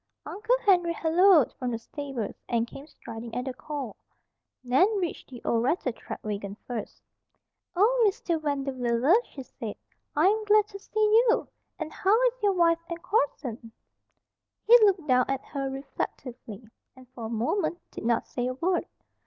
Uncle Henry halloaed from the stables, and came striding at the call. Nan reached the old rattletrap wagon first. "Oh, Mr. Vanderwiller!" she said. "I am glad to see you! And how is your wife and Corson?" He looked down at her reflectively, and for a moment did not say a word.